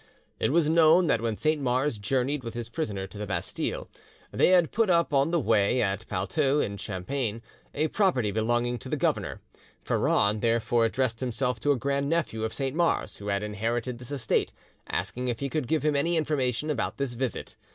It was known that when Saint Mars journeyed with his prisoner to the Bastille, they had put up on the way at Palteau, in Champagne, a property belonging to the governor. Freron therefore addressed himself to a grand nephew of Saint Mars, who had inherited this estate, asking if he could give him any information about this visit.